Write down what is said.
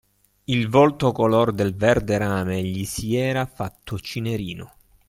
Il volto color del verderame gli si era fatto cinerino.